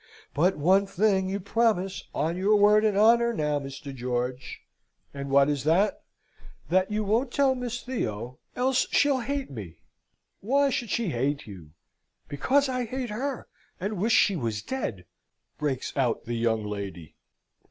But one thing you promise. on your word and your honour, now, Mr. George?" "And what is that?" "That you won't tell Miss Theo, else she'll hate me." "Why should she hate you?" "Because I hate her, and wish she was dead!" breaks out the young lady.